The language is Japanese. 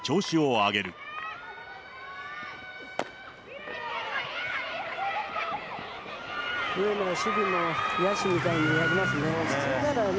上野が守備も野手みたいにやりますね。